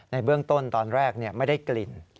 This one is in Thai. ในเบื้องต้นตอนแรกไม่ได้กลิ่น